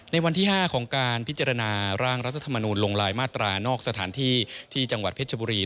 ในวันที่๕ของการพิจารณาร่างรัฐธรรมนูลลงลายมาตรานอกสถานที่ที่จังหวัดเพชรบุรี